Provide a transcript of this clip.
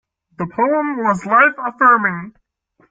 The poem was life-affirming.